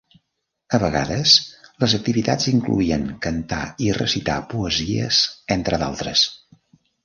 A vegades, les activitats incloïen cantar i recitar poesies, entre d'altres.